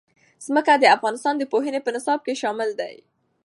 ځمکه د افغانستان د پوهنې په نصاب کې هم شامل دي.